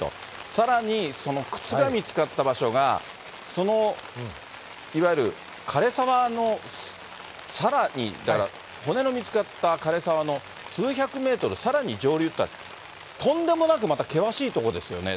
さらに、その靴が見つかった場所が、そのいわゆる、かれ沢のさらにだから、骨の見つかったかれ沢の数百メートルさらに上流っていうのは、とんでもなく、また険しい所ですよね。